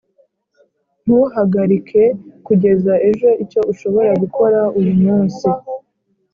ntugahagarike kugeza ejo icyo ushobora gukora uyu munsi